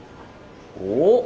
おっ！